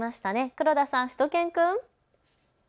黒田さん、しゅと犬くん。